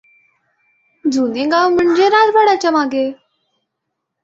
जुने गाव म्हणजे राजवाड्याच्या मागे.